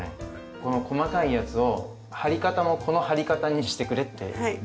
この細かいやつを貼り方もこの貼り方にしてくれって。